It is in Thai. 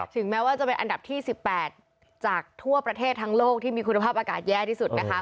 แม้ว่าจะเป็นอันดับที่๑๘จากทั่วประเทศทั้งโลกที่มีคุณภาพอากาศแย่ที่สุดนะคะ